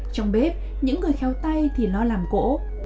trong bếp những người khéo tay thì lo làm gỗ